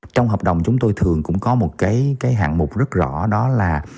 trong hợp đồng chúng tôi thường cũng có một cái hạng mục rất rõ đó là